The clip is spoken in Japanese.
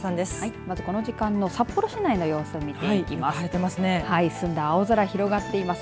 まず、この時間の札幌市内の様子を見ていきます。